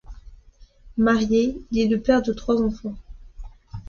Marié, il est le père de trois enfants.